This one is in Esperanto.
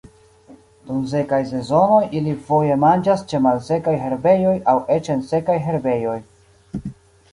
Dum sekaj sezonoj, ili foje manĝas ĉe malsekaj herbejoj aŭ eĉ en sekaj herbejoj.